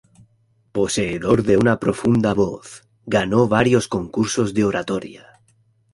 Poseedor de una profunda voz, ganó varios concursos de oratoria.